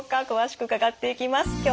詳しく伺っていきます。